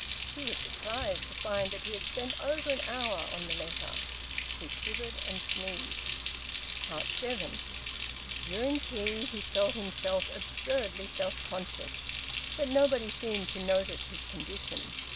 He was surprised to find that he had spent over an hour on the letter. He shivered and sneezed. SEVEN. During tea he felt himself absurdly self conscious, but nobody seemed to notice his condition.